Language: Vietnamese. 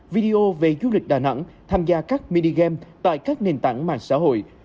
video về du lịch đà nẵng tham gia các minigame tại các nền tảng mạng xã hội